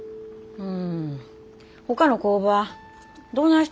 うん。